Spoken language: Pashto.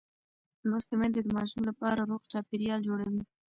لوستې میندې د ماشوم لپاره روغ چاپېریال جوړوي.